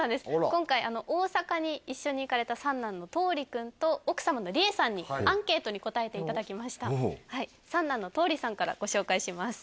今回大阪に一緒に行かれた三男の橙利君と奥様の莉瑛さんにアンケートに答えていただきましたおお三男の橙利さんからご紹介します